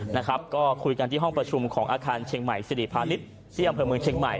นะครับก็คุยกันที่ห้องประชุมของอาคารเชียงใหม่สิริพาณิชย์ที่อำเภอเมืองเชียงใหม่